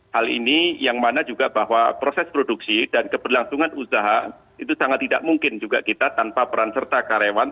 hal ini yang mana juga bahwa proses produksi dan keberlangsungan usaha itu sangat tidak mungkin juga kita tanpa peran serta karyawan